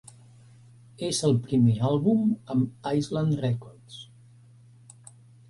És el primer àlbum amb Island Records.